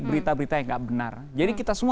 berita berita yang nggak benar jadi kita semua